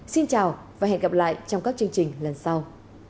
xin chào và hẹn gặp lại trong các chương trình lần sau